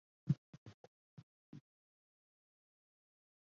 山松鼠是一种只生活于哥斯大黎加与巴拿马的松鼠。